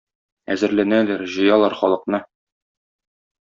Әзерләнәләр, җыялар халыкны.